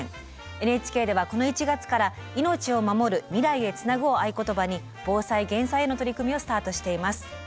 ＮＨＫではこの１月から「命をまもる未来へつなぐ」を合言葉に防災・減災への取り組みをスタートしています。